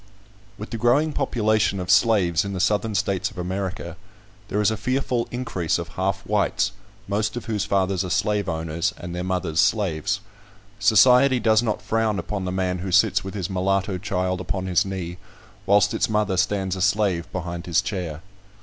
WITH the growing population of slaves in the Southern States of America, there is a fearful increase of half whites, most of whose fathers are slaveowners and their mothers slaves. Society does not frown upon the man who sits with his mulatto child upon his knee, whilst its mother stands a slave behind his chair.